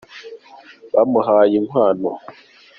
bamuhaye inkwano.